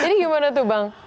jadi gimana tuh bang